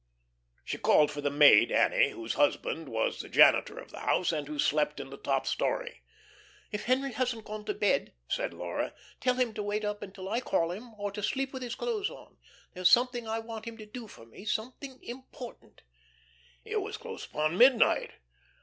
She called for the maid, Annie, whose husband was the janitor of the house, and who slept in the top story. "If Henry hasn't gone to bed," said Laura, "tell him to wait up till I call him, or to sleep with his clothes on. There is something I want him to do for me something important." It was close upon midnight.